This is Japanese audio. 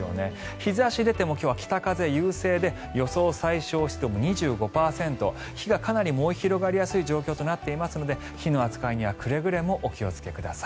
日差し出ても今日は北風優勢で予想最小湿度も２５％火がかなり燃え広がりやすい状況となっていますので火の扱いにはくれぐれもお気をつけください。